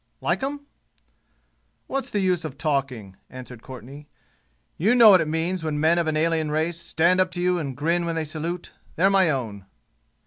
"Like 'em?" "What's the use of talking?" answered Courtenay. "You know what it means when men of an alien race stand up to you and grin when they salute. They're my own."